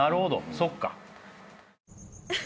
そっか。